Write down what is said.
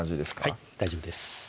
はい大丈夫です